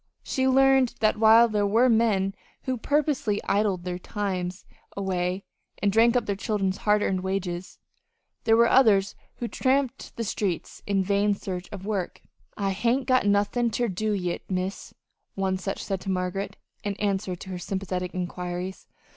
She learned that while there were men who purposely idled their time away and drank up their children's hard earned wages, there were others who tramped the streets in vain in search of work. "I hain't got nothin' ter do yit, Miss," one such said to Margaret, in answer to her sympathetic inquiries.